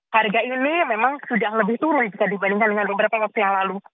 harga ini memang sudah lebih turun jika dibandingkan dengan beberapa waktu yang lalu